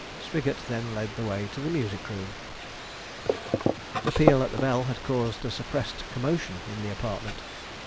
Spigot then led the way to the music room. The peal at the bell had caused a suppressed commotion in the apartment.